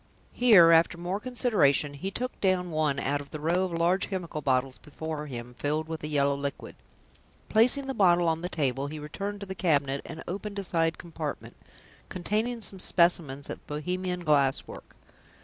Here, after more consideration, he took down one out of the row of large chemical bottles before him, filled with a yellow liquid; placing the bottle on the table, he returned to the cabinet, and opened a side compartment, containing some specimens of Bohemian glass work.